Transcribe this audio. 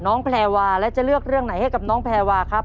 แพรวาและจะเลือกเรื่องไหนให้กับน้องแพรวาครับ